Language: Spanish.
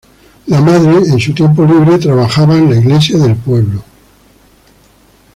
La madre, en su tiempo libre, trabajaba en la iglesia del pueblo.